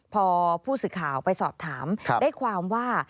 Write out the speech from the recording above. พอผู้สื่อข่าวไปสอบถามได้ความว่า